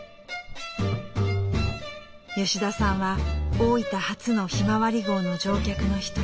吉田さんは大分初のひまわり号の乗客の一人。